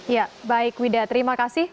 ya baik wida terima kasih